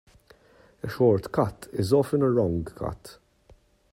A short cut is often a wrong cut.